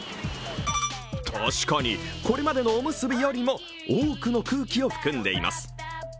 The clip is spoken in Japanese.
確かに、これまでのおむすびよりも多くの空気を含んでいます。